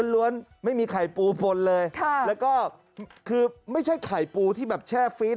ล้วนไม่มีไข่ปูพลเลยแล้วก็คือไม่ใช่ไข่ปูที่แบบแช่ฟีด